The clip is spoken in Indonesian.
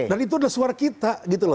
dan itu adalah suara kita